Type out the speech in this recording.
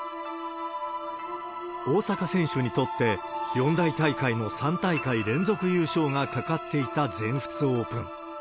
大坂選手にとって、四大大会の３大会連続優勝が懸かっていた全仏オープン。